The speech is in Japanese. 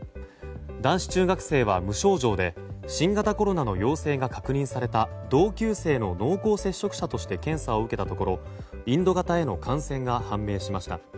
男子中学生は無症状で新型コロナの陽性が確認された同級生の濃厚接触者として検査を受けたところインド型への感染が判明しました。